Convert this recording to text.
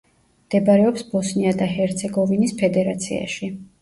მდებარეობს ბოსნია და ჰერცეგოვინის ფედერაციაში.